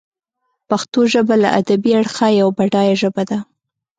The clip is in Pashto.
پښتو ژبه له ادبي اړخه یوه بډایه ژبه ده.